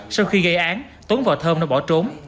sau khi gây án tuấn vào thơm nó bỏ trốn